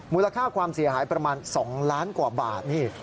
มูลค่าความเสียหายประมาณ๒ล้านกว่าบาทนี่